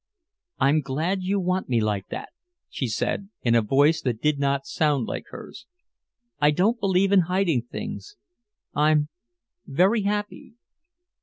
"I'm glad you want me like that," she said, in a voice that did not sound like hers. "I don't believe in hiding things.... I'm very happy."